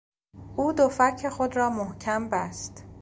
او دو فک خود را محکم بست.